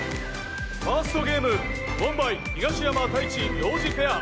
ファーストゲームウォンバイ東山太一・陽次ペア